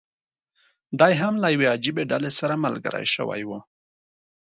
دی هم له یوې عجیبي ډلې سره ملګری شوی و.